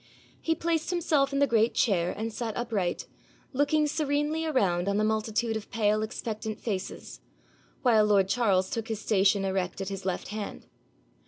He placed himself in the great chair, and sat upright, looking serenely around on the multitude of pale expectant faces, while lord Charles took his station erect at his left hand.